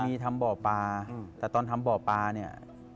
มีทำบ่อปลาแต่ตอนทำบ่อปลาเนี่ย